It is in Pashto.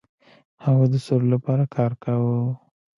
هغوی د سولې لپاره کار کاوه.